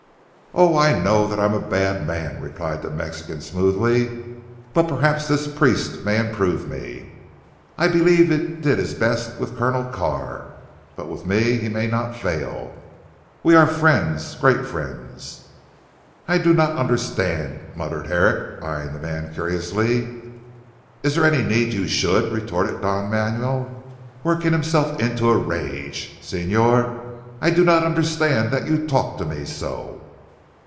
"Oh, I know that I am a bad man," replied the Mexican smoothly, "but perhaps this priest may improve me. I believe he did his best with Colonel Carr; but with me he may not fail. We are friends great friends. "I do not understand," muttered Herrick eyeing the man curiously. "Is there any need you should?" retorted Don Manuel working himself into a rage. "Señor, I do not understand that you talk to me so."